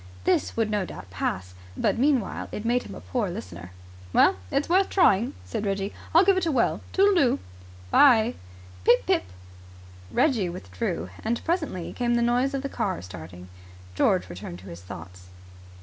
This would no doubt pass, but meanwhile it made him a poor listener. "Well, it's worth trying," said Reggie. "I'll give it a whirl. Toodleoo!" "Good bye." "Pip pip!" Reggie withdrew, and presently came the noise of the car starting. George returned to his thoughts.